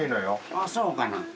あっそうかな。